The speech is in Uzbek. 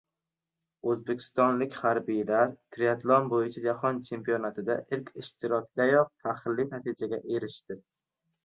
O‘zbekistonlik harbiylar «Triatlon» bo‘yicha jahon chempionatida ilk ishtirokdayoq faxrli natijaga erishdi